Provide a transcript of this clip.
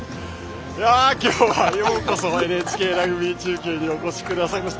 今日はようこそＮＨＫラグビー中継にお越しくださいまして。